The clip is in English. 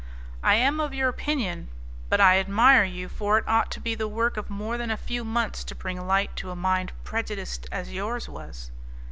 "I am of your opinion, but I admire you, for it ought to be the work of more than a few months to bring light to a mind prejudiced as yours was."